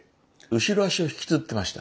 後ろ足を引きずってました。